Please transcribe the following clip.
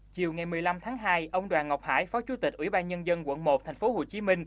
chiều ngày một mươi năm tháng hai ông đoàn ngọc hải phó chủ tịch ủy ban nhân dân quận một tp hcm